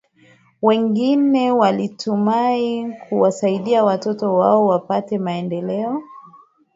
wengine walitumaini kuwasaidia watoto wao wapate maendeleo